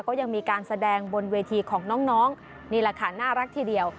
ก็ยังมีการแสดงบนเวทีของน้องนี่แหละค่ะน่ารักทีเดียว